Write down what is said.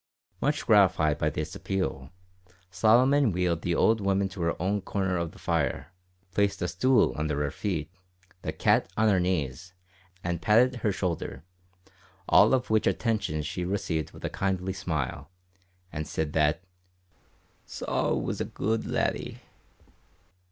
Much gratified by this appeal, Solomon wheeled the old woman to her own corner of the fire, placed a stool under her feet, the cat on her knees, and patted her shoulder, all of which attentions she received with a kindly smile, and said that "Sol was a good laddie."